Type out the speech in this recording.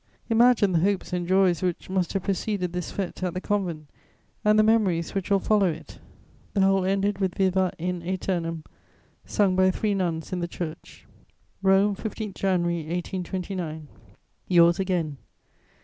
Imagine the hopes and joys which, must have preceded this fête at the convent, and the memories which will follow it! The whole ended with Vivat in æternum, sung by three nuns in the church." "ROME, January 1829. "Yours again!